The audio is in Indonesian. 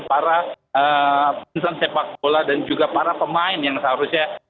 para perusahaan sepak bola dan juga para pemain yang seharusnya